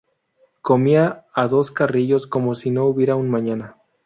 Comía a dos carrillos como si no hubiera un mañana